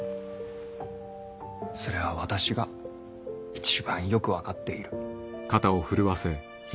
それは私が一番よく分かっている。